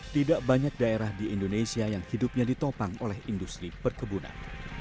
tidak banyak daerah di indonesia yang hidupnya ditopang oleh industri perkebunan